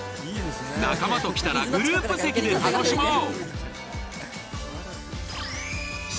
仲間と来たらグループ席で楽しもう。